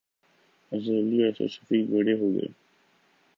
اظہر علی اور اسد شفیق 'بڑے' ہو گئے